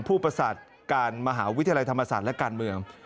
ประสาทการมหาวิทยาลัยธรรมศาสตร์และการเมือง